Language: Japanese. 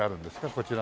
こちらの。